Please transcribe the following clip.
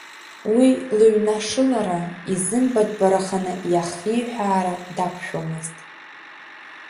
Уи лынаҩнашылара изымбатәбараханы, иахиҳәаара дақәшәомызт.